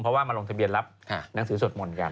เพราะว่ามาลงทะเบียนรับหนังสือสวดมนต์กัน